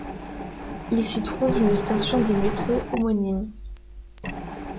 Il s'y trouve une station de métro homonyme.